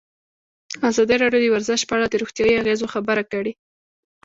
ازادي راډیو د ورزش په اړه د روغتیایي اغېزو خبره کړې.